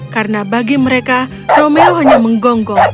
karena bagi mereka romeo hanya menggonggong